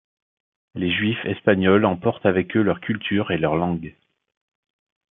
Les Juifs espagnols emportent avec eux leur culture et leur langue.